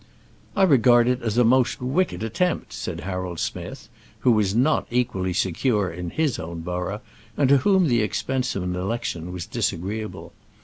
"I regard it as a most wicked attempt," said Harold Smith, who was not equally secure in his own borough, and to whom the expense of an election was disagreeable.